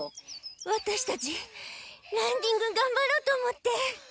ワタシたちランニングがんばろうと思って。